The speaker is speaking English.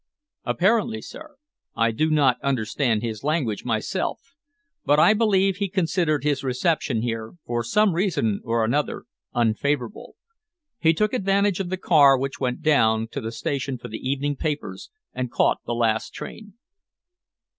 "Apparently, sir. I do not understand his language myself, but I believe he considered his reception here, for some reason or other, unfavourable. He took advantage of the car which went down to the station for the evening papers and caught the last train."